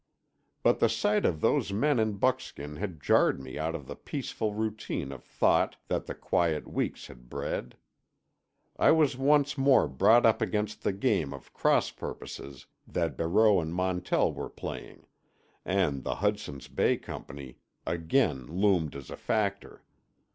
But the sight of those men in buckskin had jarred me out of the peaceful routine of thought that the quiet weeks had bred. I was once more brought up against the game of cross purposes that Barreau and Montell were playing, and the Hudson's Bay Company again loomed as a factor.